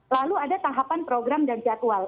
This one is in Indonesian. lalu ada tahapan program dan jadwal